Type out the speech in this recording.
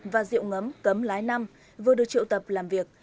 và rượu ngấm cấm lái năm vừa được triệu tập làm việc